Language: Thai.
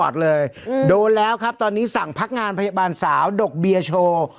โดนแล้วครับตอนนี้สั่งพักงานพยาบาลสาวดกเบียร์โชว์